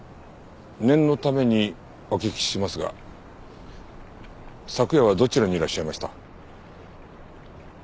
念のためにお聞きしますが昨夜はどちらにいらっしゃいました？